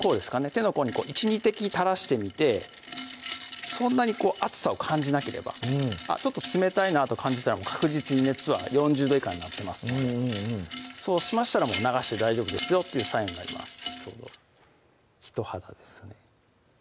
手の甲に１・２滴垂らしてみてそんなに熱さを感じなければ「あっちょっと冷たいな」と感じたら確実に熱は４０度以下になってますのでそうしましたらもう流して大丈夫ですよっていうサインになります人肌ですよね